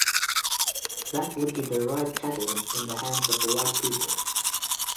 That would be the right catalyst in the hands of the right people.